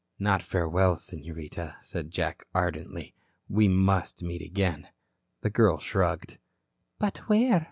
"Not farewell, Senorita," said Jack, ardently. "We must meet again." The girl shrugged. "But where?"